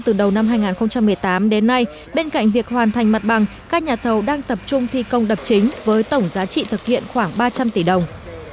từ đầu năm hai nghìn một mươi tám đến nay bên cạnh việc hoàn thành mặt bằng các nhà thầu đang tập trung thi công đập chính với tổng giá trị thực hiện khoảng ba trăm linh tỷ đồng